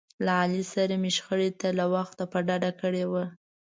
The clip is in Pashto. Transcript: له علي سره مې شخړې ته له وخته په ډډه کړي و.